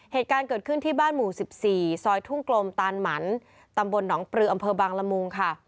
เหตุการณ์เกิดขึ้นที่บ้านหมู่๑๔ซอยทุ่งกลมตานหมันตำบลหนองปลืออำเภอบางละมุงค่ะ